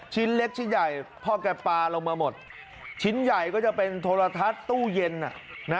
ชิ้นเล็กชิ้นใหญ่พ่อแกปลาลงมาหมดชิ้นใหญ่ก็จะเป็นโทรทัศน์ตู้เย็นน่ะนะ